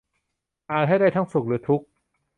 อาจให้ได้ทั้งสุขหรือทุกข์